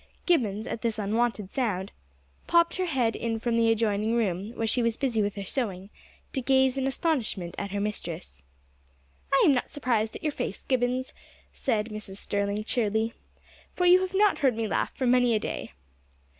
Gibbons, at this unwonted sound, popped her head in from the adjoining room where she was busy with her sewing, to gaze in astonishment at her mistress. "I am not surprised at your face, Gibbons," said Mrs. Sterling cheerily, "for you have not heard me laugh for many a day."